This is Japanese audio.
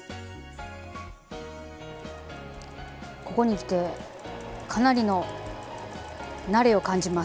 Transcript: ここにきてかなりの慣れを感じます。